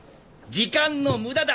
時間の無駄だ！